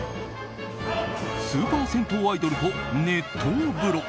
スーパー銭湯アイドルと熱湯風呂。